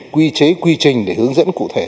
quy chế quy trình để hướng dẫn cụ thể